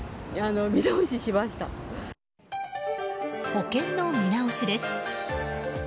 保険の見直しです。